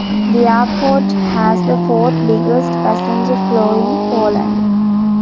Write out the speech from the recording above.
The airport has the fourth-biggest passenger flow in Poland.